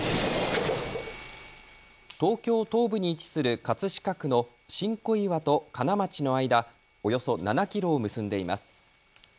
東京東部に位置する葛飾区の新小岩と金町の間およそ７キロを結んでいます。